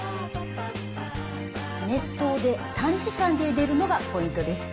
熱湯で短時間でゆでるのがポイントです。